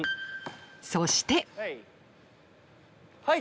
そしてはい。